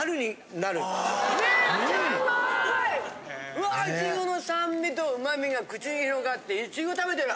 うわぁイチゴの酸味とうまみが口に広がってイチゴ食べてる！